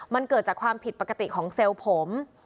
มันเกิดจากความผิดปกติของเซลล์ผม